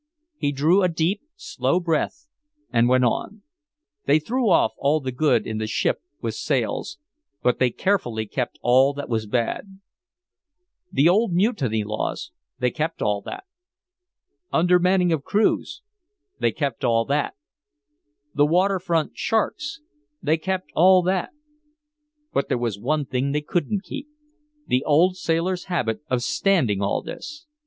He drew a deep, slow breath and went on: "They threw off all the good in the ship with sails but they carefully kept all that was bad. The old mutiny laws they kept all that. Undermanning of crews they kept all that. The waterfront sharks they kept all that. But there was one thing they couldn't keep the old sailor's habit of standing all this!